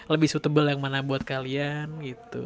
lebih suitable yang mana buat kalian gitu